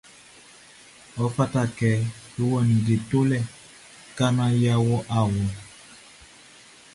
Ɔ fata kɛ e wɔ ninnge tolɛ ka naan yʼa wɔ awlo.